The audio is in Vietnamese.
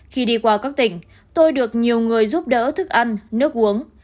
khi đi qua các tỉnh tôi được nhiều người giúp đỡ thức ăn nước uống